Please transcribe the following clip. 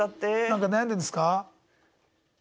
何か悩んでるんですか？